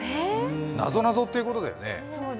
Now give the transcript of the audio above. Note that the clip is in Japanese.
なぞなぞってことだよね。